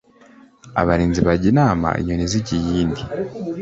Abalinzi bajya inama inyoni zijya iyindi.